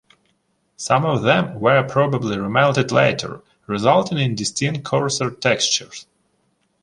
Some of them were probably remelted later resulting in distinct coarser textures.